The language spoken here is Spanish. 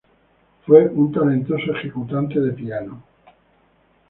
Fue un talentoso ejecutante de piano.